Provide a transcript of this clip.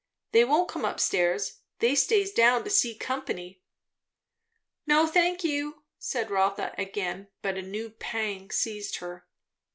"They won't come up stairs; they stays down to see company." "No, thank you," said Rotha again; but a new pang seized her.